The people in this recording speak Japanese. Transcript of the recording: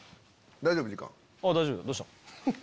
大丈夫どうした？